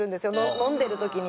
飲んでる時に。